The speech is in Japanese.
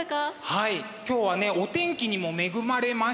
はい今日はねお天気にも恵まれまして。